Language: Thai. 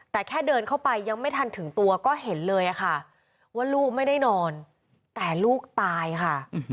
แต่แค่เดินเข้าไปยังไม่ทันถึงตัวก็เห็นเลยค่ะว่าลูกไม่ได้นอนแต่ลูกตายค่ะ